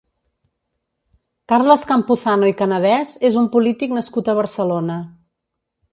Carles Campuzano i Canadès és un polític nascut a Barcelona.